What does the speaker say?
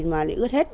mà lại ướt hết